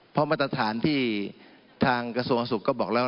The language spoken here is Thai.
เพราะมาตรฐานที่ทางกระทรวงสุขก็บอกแล้ว